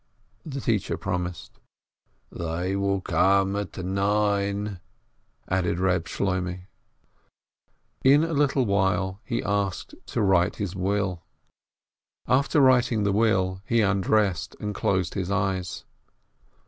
The teacher promised. "They will come at nine," added Beb Shloimeh. In a little while he asked to write his will. After writing the will, he undressed and closed his eyes.